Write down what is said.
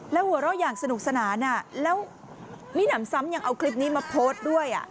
แล้วหัวเราะอย่างสนุกสนานแล้วมีหนำซ้ำยังเอาคลิปนี้มาโพสต์ด้วย